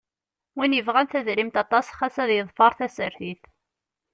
Win yebɣan tadrimt aṭas xas ad yeḍfeṛ tasartit.